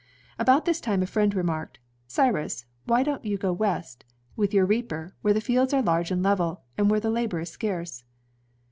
About this time a friend remarked, "Cjniis, why don't you go West with your reaper, where the fields are large and level, and where labor is scarce?''